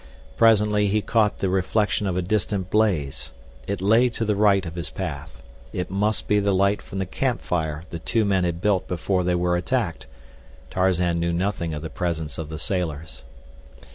Presently he caught the reflection of a distant blaze. It lay to the right of his path. It must be the light from the camp fire the two men had built before they were attacked—Tarzan knew nothing of the presence of the sailors.